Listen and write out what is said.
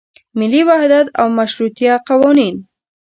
ملي وحدت او مشروطیه قوانین.